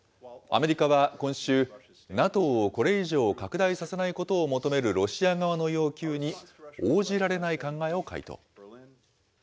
アメリカは今週、ＮＡＴＯをこれ以上拡大させないことを求めるロシア側の要求に応じられない考えを回答。